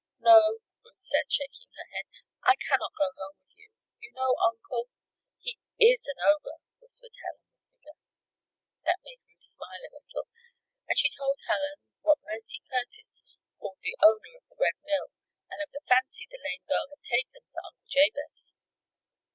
"No," Ruth said, shaking her head, "I cannot go home with you. You know, Uncle " "He is an ogre," whispered Helen, with vigor. That made Ruth smile a little, and she told Helen what Mercy Curtis called the owner of the Red Mill, and of the fancy the lame girl had taken for Uncle Jabez.